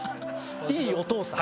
いいお父さん。